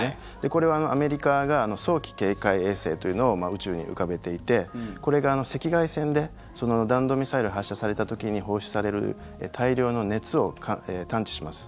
これはアメリカが早期警戒衛星というのを宇宙に浮かべていてこれが赤外線で弾道ミサイルが発射された時に放出される大量の熱を探知します。